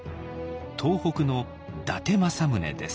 東北の伊達政宗です。